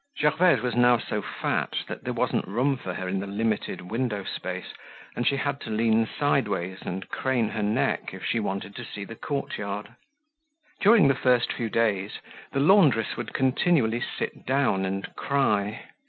Gervaise was now so fat that there wasn't room for her in the limited window space and she had to lean sideways and crane her neck if she wanted to see the courtyard. During the first few days, the laundress would continually sit down and cry.